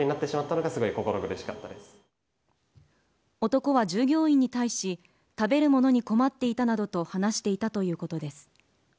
男は従業員に対し食べるものに困っていたなどと話していたということです。